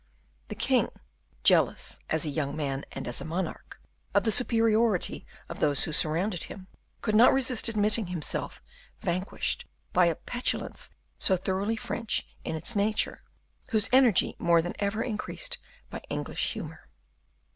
The king, jealous, as a young man and as a monarch, of the superiority of those who surrounded him, could not resist admitting himself vanquished by a petulance so thoroughly French in its nature, whose energy more than ever increased by English humor.